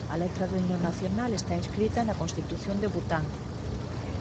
A letra do himno nacional está inscrita na Constitución de Bután.